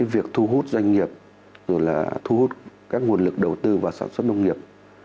việc thu hút doanh nghiệp thu hút các nguồn lực đầu tư và sản xuất nông nghiệp